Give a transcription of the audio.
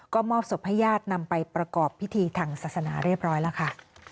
ก็มอบศพให้ญาตินำไปประกอบพิธีทางศาสนาเรียบร้อยแล้วค่ะ